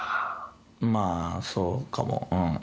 まあ、そうかも。